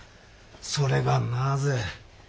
それがなぜ。